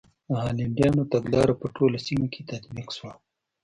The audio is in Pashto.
د هالنډیانو تګلاره په ټوله سیمه کې تطبیق شوه.